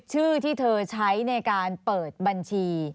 ชื่อที่เธอใช้ในการเปิดบัญชี